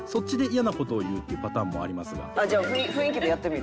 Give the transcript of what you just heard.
じゃあ雰囲気でやってみる？